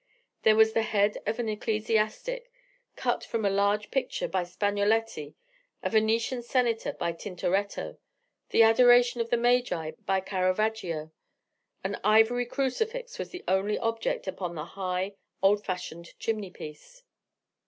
There was the head of an ecclesiastic, cut from a large picture by Spagnoletti; a Venetian senator by Tintoretto; the Adoration of the Magi by Caravaggio. An ivory crucifix was the only object upon the high, old fashioned chimney piece.